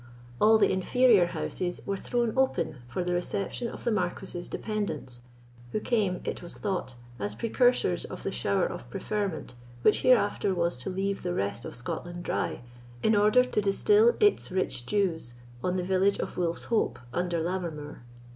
All the inferior houses were thrown open for the reception of the Marquis's dependants, who came, it was thought, as precursors of the shower of preferment which hereafter was to leave the rest of Scotland dry, in order to distil its rich dews on the village of Wolf's Hope under Lammermoor.